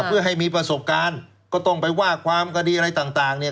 เพื่อให้มีประสบการณ์ก็ต้องไปว่าความคดีอะไรต่างเนี่ย